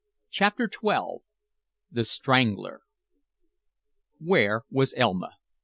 CHAPTER XII "THE STRANGLER" Where was Elma?